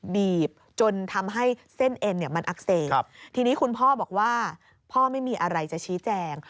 บีบจนทำให้เส้นเอ็นมันอักเสบทีนี้คุณพ่อบอกว่าพ่อไม่มีอะไรจะชี้แจง